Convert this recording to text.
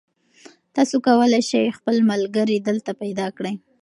تاسي کولای شئ خپل ملګري دلته پیدا کړئ.